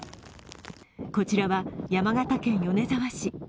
こちらは山形県米沢市。